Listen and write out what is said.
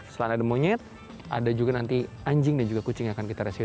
selain ada monyet ada juga nanti anjing dan juga kucing yang akan kita rescue